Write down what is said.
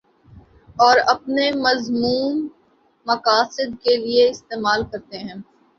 اور اپنے مذموم مقاصد کے لیے استعمال کرتے ہیں